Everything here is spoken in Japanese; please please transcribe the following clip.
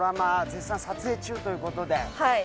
絶賛撮影中ということではい